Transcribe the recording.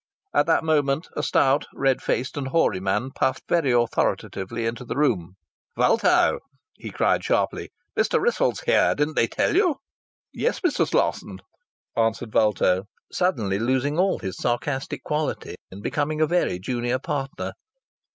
At that moment a stout, red faced and hoary man puffed very authoritatively into the room. "Vulto," he cried sharply. "Mr. Wrissell's here. Didn't they tell you?" "Yes, Mr. Slosson," answered Vulto, suddenly losing all his sarcastic quality, and becoming a very junior partner.